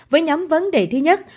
với nhóm vấn đề thứ nhất